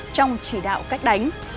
trong chỉ đạo cách đánh